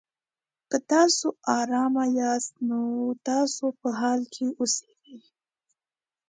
که تاسو ارامه یاست؛ نو تاسو په حال کې اوسېږئ.